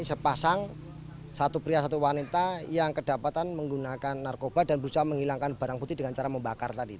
sepasang satu pria satu wanita yang kedapatan menggunakan narkoba dan berusaha menghilangkan barang putih dengan cara membakar tadi